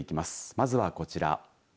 まずはこちら。